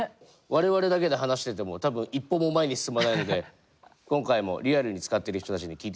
我々だけで話してても多分一歩も前に進まないので今回もリアルに使ってる人たちに聞いてみましょう。